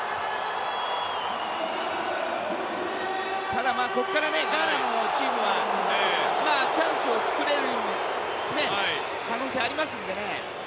ただ、ここからガーナのチームはチャンスを作れる可能性がありますのでね。